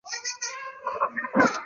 د پاچا خودسرۍ د نفاق سبب جوړ کړ.